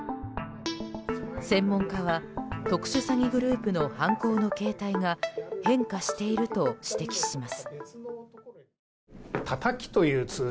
専門家は、特殊詐欺グループの犯行の形態が変化していると指摘します。